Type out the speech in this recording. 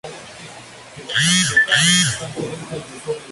Su libro ha sido boicoteado desde Colombia.